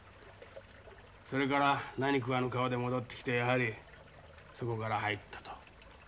それから何食わぬ顔で戻ってきてやはりそこから入ったと。